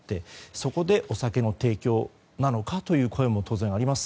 そこで、お酒の提供なのかという声も当然あります。